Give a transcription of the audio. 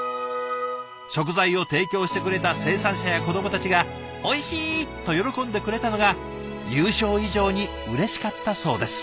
食材を提供してくれた生産者や子どもたちが「おいしい！」と喜んでくれたのが優勝以上にうれしかったそうです。